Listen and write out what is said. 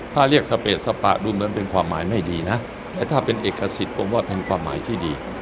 ถ้าเรียกสเปดสปะดูเหมือนเป็นความหมายไม่ดีนะแต่ถ้าเป็นเอกสิทธิ์ผมว่าเป็นความหมายที่ดี